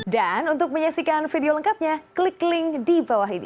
dan untuk menyaksikan video lengkapnya klik link di bawah ini